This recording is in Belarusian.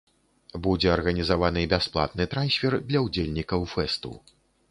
Будзе арганізаваны бясплатны трансфер для ўдзельнікаў фэсту.